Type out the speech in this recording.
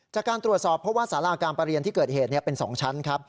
จากการตรวจสอบเพราะว่าสาราการประเรียนที่เกิดเหตุเป็น๒ชั้นครับ